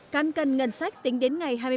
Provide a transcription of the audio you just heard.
căn cân ngân sách tính đến ngày hai mươi